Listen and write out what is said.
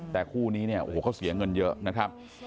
แต่คู่นี้เนี่ยโอ้โหเขาเสียเงินเยอะนะครับ